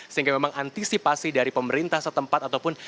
sehingga memang antisipasi dari pemerintah setempat ataupun